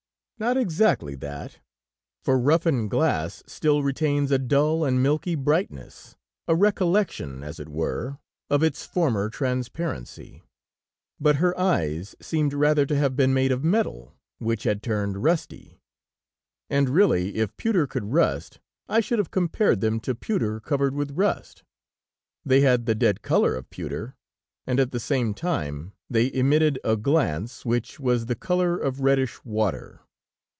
Not exactly that. For roughened glass still retains a dull and milky brightness, a recollection, as it were, of its former transparency. But her eyes seemed rather to have been made of metal, which had turned rusty, and really if pewter could rust I should have compared them to pewter covered with rust. They had the dead color of pewter, and at the same time, they emitted a glance which was the color of reddish water.